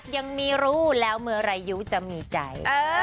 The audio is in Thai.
ยังมีรู้แล้วเมื่อไรยูจะมีใจ